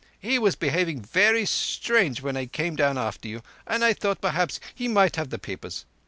He was behaving very strange when I came down after you, and I thought perhaps he might have the papers.